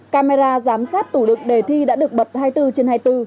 camera giám sát tủ đực đề thi đã được bật hai mươi bốn trên hai mươi bốn